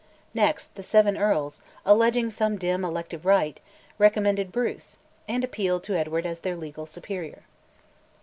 Next the Seven Earls, alleging some dim elective right, recommended Bruce, and appealed to Edward as their legal superior.